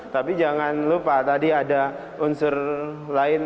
tapi jangan lupa tadi ada unsur lain